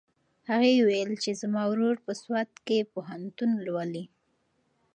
هغې وویل چې زما ورور په سوات کې پوهنتون لولي.